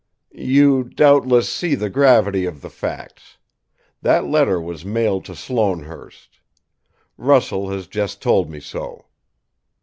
"You doubtless see the gravity of the facts: that letter was mailed to Sloanehurst. Russell has just told me so.